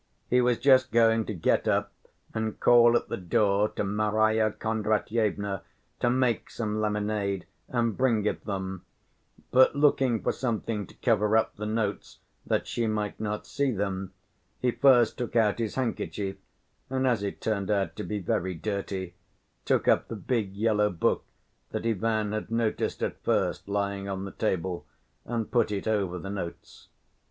He was just going to get up and call at the door to Marya Kondratyevna to make some lemonade and bring it them, but, looking for something to cover up the notes that she might not see them, he first took out his handkerchief, and as it turned out to be very dirty, took up the big yellow book that Ivan had noticed at first lying on the table, and put it over the notes.